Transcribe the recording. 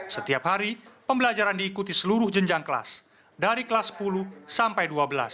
setiap hari pembelajaran diikuti seluruh jenjang kelas dari kelas sepuluh sampai dua belas